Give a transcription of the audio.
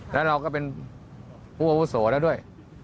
แล้วเราก็เป็นผู้อาวุโสแล้วด้วย